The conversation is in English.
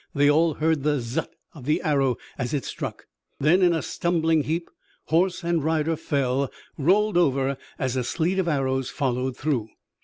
They all heard the zhut! of the arrow as it struck. Then, in a stumbling heap, horse and rider fell, rolled over, as a sleet of arrows followed through.